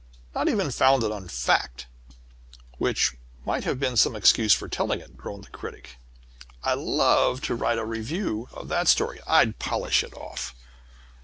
"Not even founded on fact which might have been some excuse for telling it," groaned the Critic. "I'd love to write a review of that story. I'd polish it off."